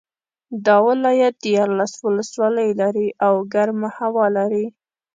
دا ولایت دیارلس ولسوالۍ لري او ګرمه هوا لري